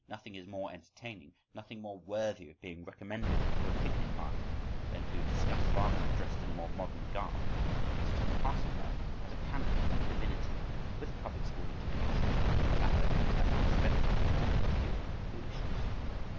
Nothing is more entertaining, nothing more worthy of being recommended to a picnic party, than to discuss Wagner dressed in a more modern garb: for instance Parsifal, as a candidate in divinity, with a public school education (—the latter, quite indispensable for pure foolishness).